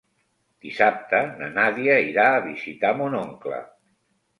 Dissabte na Nàdia irà a visitar mon oncle.